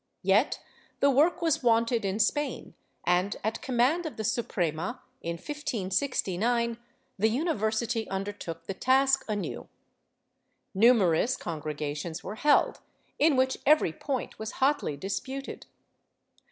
Yet the work was wanted in Spain and, at command of the Suprema, in 1569, the university undertook the task anew. Numerous congregations were held, in which every point was hotly disputed.